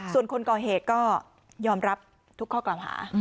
ส่วนคนก่อเหตุก็ยอมรับทุกข้อกล่าวหา